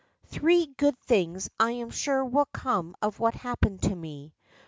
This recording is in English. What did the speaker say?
Three good things I am sure will come of what happened to me.